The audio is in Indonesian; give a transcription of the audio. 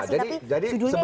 ya saya juga juga liat ada